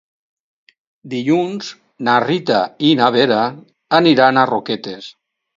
Dilluns na Rita i na Vera aniran a Roquetes.